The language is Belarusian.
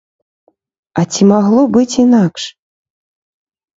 А ці магло быць інакш?